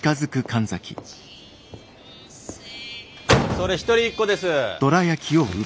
それ一人一個です！